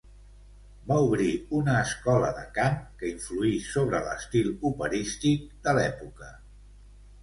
Va obrir una escola de cant que influí sobre l'estil operístic de l'època.